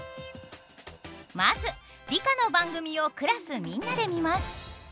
まず理科の番組をクラスみんなで見ます。